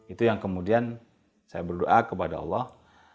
itu yang kemudian saya berdoa kepada allah